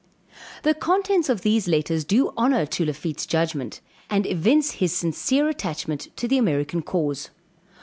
The contents of these letters do honor to Lafitte's judgment, and evince his sincere attachment to the American cause.